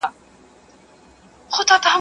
په يوه ودانه، په دوهم بېرانه، په درېيم ډاگ ډگنى.